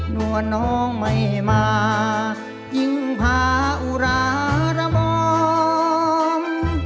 นวดน้องไม่มายิ่งพาอุราหรม